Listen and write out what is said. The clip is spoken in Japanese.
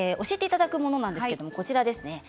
教えていただくものなんですけれど、こちらです。